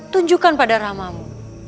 tunjukkan pada ramamu